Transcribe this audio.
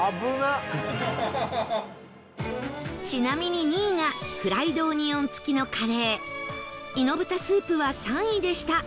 ちなみに２位がフライドオニオン付きのカレーイノブタスープは３位でした